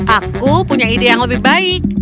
aku punya ide yang lebih baik